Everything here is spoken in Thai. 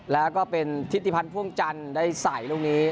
แล้วก็เป็นทิศิพันธ์พ่วงจันทร์ได้ใส่ลูกนี้